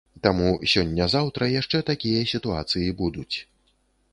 Таму сёння-заўтра яшчэ такія сітуацыі будуць.